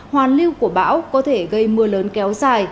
hoàn lưu của bão có thể gây mưa lớn kéo dài